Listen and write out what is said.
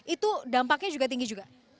itu dampaknya juga tinggi juga